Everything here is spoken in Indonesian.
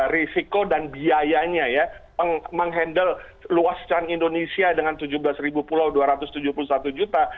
risiko dan biayanya ya menghandle luasan indonesia dengan tujuh belas ribu pulau dua ratus tujuh puluh satu juta